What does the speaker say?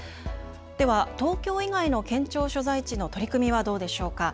では東京以外の県庁所在地の取り組みはどうでしょうか。